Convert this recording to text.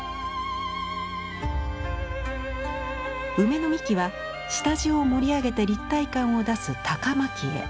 梅の幹は下地を盛り上げて立体感を出す高蒔絵。